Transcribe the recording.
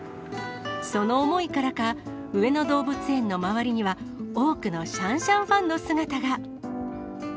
その思いからか、上野動物園の周りには、多くのシャンシャンファンの姿が。